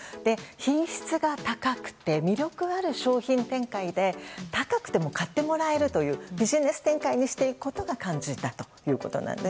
品質が高くて魅力ある商品展開で高くても買ってもらえるというビジネス展開にしていくことが肝心だということなんです。